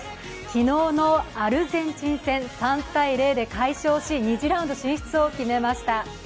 昨日のアルゼンチン戦、３−０で快勝し２次ラウンド進出を決めました。